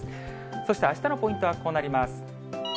そしてあしたのポイントはこうなります。